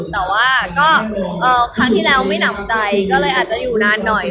แต่ว่าก็ครั้งที่แล้วไม่หนำใจก็เลยอาจจะอยู่นานหน่อย